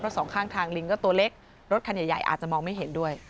สองข้างทางลิงก็ตัวเล็กรถคันใหญ่อาจจะมองไม่เห็นด้วย